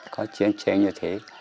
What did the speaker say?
có chiến tranh như thế